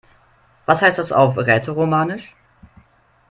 Was heißt das auf Rätoromanisch?